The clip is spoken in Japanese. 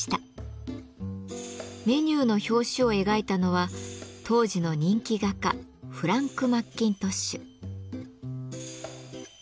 メニューの表紙を描いたのは当時の人気画家フランク・マッキントッシュ。